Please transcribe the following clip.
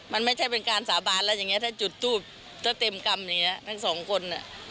มันไม่ใช่เป็นการสาบานแล้วอย่างนี้ถ้าจุดทูบเต็มกรรมทั้งสองคน